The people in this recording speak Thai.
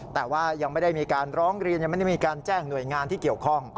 แต่ว่ายังไม่ได้มีการร้องเรียนยังไม่ได้มีการแจ้งหน่วยงานที่เกี่ยวข้อง